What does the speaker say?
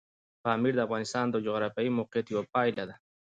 پامیر د افغانستان د جغرافیایي موقیعت یوه پایله ده.